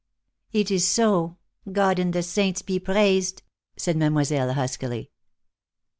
"It is so, God and the saints be praised!" said Mademoiselle, huskily.